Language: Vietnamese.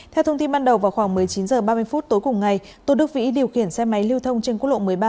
theo thông tin ban đầu vào khoảng một mươi chín h ba mươi phút tối cùng ngày tô đức vĩ điều khiển xe máy lưu thông trên quốc lộ một mươi ba